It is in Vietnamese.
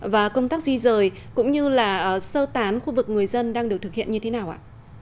và công tác di rời cũng như là sơ tán khu vực người dân đang được thực hiện như thế nào ạ